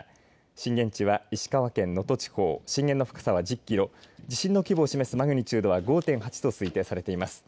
震源地は石川県能登地方震源の深さは１０キロ地震の規模を示すマグニチュードは５．８と推定されています。